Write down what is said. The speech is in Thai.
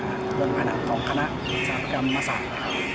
ด้วยภานะของคณะสรรพกรรมมสรรค